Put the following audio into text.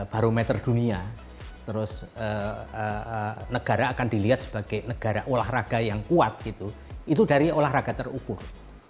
barometer dunia terus negara akan dilihat sebagai negara olahraga yang kuat gitu itu dari olahraga terukur